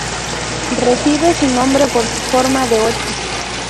Recibe su nombre por su forma de ocho.